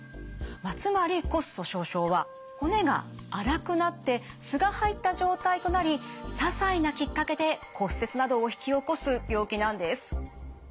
つまり骨粗しょう症は骨が粗くなって鬆が入った状態となりささいなきっかけで骨折などを引き起こす病気なんです。